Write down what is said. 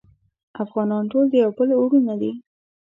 افغانان ټول د یو بل وروڼه دی